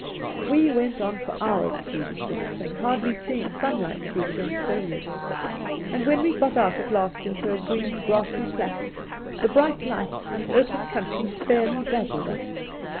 ' We went on for hours through this sort of thing, hardly seeing sunlight through the dense foliage ; and when we got out at last into a green grassy flat, the bright light and open country fairly dazzled us.